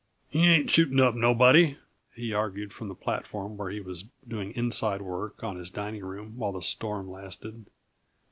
"He ain't shooting up nobody," he argued from the platform, where he was doing "inside work" on his dining room while the storm lasted.